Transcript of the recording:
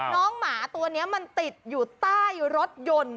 หมาตัวนี้มันติดอยู่ใต้รถยนต์